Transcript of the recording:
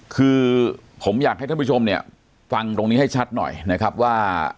คือผมอยากให้ท่านผู้ชมเนี่ยฟังตรงนี้ให้ชัดหน่อยนะครับว่า